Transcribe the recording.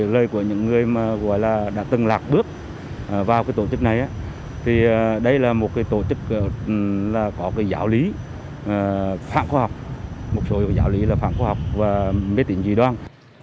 lời của những người mà gọi là đã từng lạc bước vào cái tổ chức này thì đây là một cái tổ chức là có cái giáo lý phản khóa học một số giáo lý là phản khóa học và mế tính dự đoan